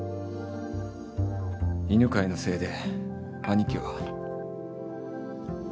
犬飼のせいで兄貴は。